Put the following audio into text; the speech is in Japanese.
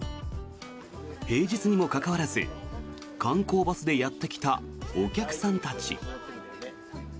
平日にもかかわらず観光バスでやってきたお客さんたち。